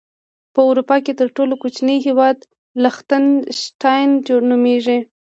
په اروپا کې تر ټولو کوچنی هیواد لختن شټاين نوميږي.